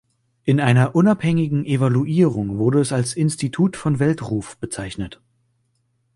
In einer unabhängigen Evaluierung wurde es als „"Institut von Weltruf"“ bezeichnet.